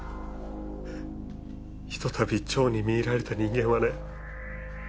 ひとたび蝶に魅入られた人間はね